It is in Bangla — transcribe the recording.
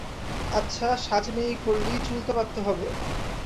আচ্ছা, সাজ নাই করলি চুল তো বাঁধতে হবে!